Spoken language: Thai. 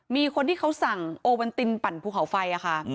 มีคนที่เขาสั่งโอเวนตินปั่นภูเขาไฟค่ะ